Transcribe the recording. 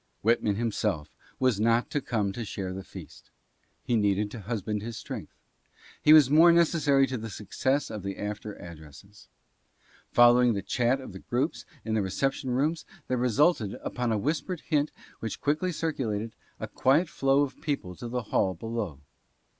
Whitman himself was not to come to share the feast. He needed to husband his strength. He was more necessary to the success of the after addresses. Following the chat of the groups in the reception rooms, there resulted, upon a whispered hint which quickly circulated, a quiet flow of people to the hall be low.